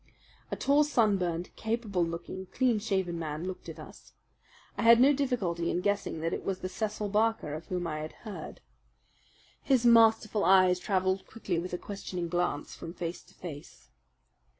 A tall, sunburned, capable looking, clean shaved man looked in at us. I had no difficulty in guessing that it was the Cecil Barker of whom I had heard. His masterful eyes travelled quickly with a questioning glance from face to face.